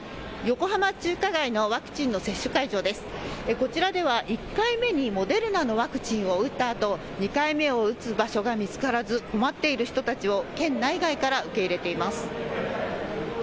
こちらでは１回目にモデルナのワクチンを打ったあと２回目を打つ場所が見つからず、困っている人たちを県内外から受け入れています。